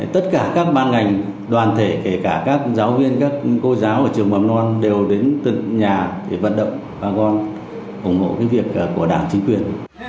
tất cả các ban ngành đoàn thể kể cả các giáo viên các cô giáo ở trường mầm non đều đến từng nhà để vận động bà con ủng hộ việc của đảng chính quyền